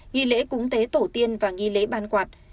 nghi lễ cúng tế tổ tiên và nghi lễ ban quạt